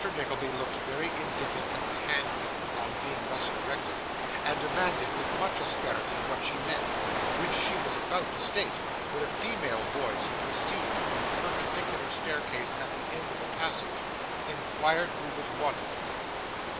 Nickleby looked very indignant at the handmaid on being thus corrected, and demanded with much asperity what she meant; which she was about to state, when a female voice proceeding from a perpendicular staircase at the end of the passage, inquired who was wanted.